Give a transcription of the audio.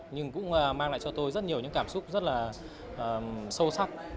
nhưng cũng mang lại cho tôi rất nhiều những cảm xúc rất là sâu sắc